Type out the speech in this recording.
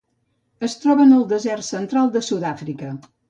Es troba en el desert central de Sud-àfrica.